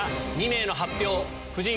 ２名の発表夫人